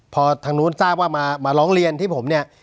พอทางนู้นทราบว่ามาร้องเรียนที่ผมเนี่ย